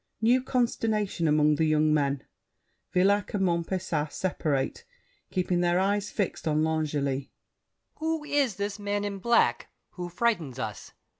[New consternation among the young men. Villac and Montpesat separate, keeping their eyes fixed on L'Angely. ROCHEBARON. Who is this man in black who frightens us?